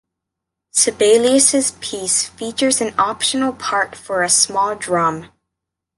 Sibelius’ piece features an optional part for a small drum.